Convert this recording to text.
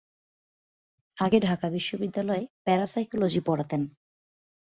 আগে ঢাকা বিশ্ববিদ্যালয়ে প্যারাসাইকোলজি পড়াতেন।